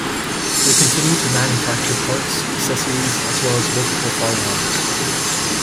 They continue to manufacture parts, accessories, as well as multiple firearms.